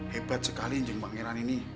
hebat sekali anjing pangeran ini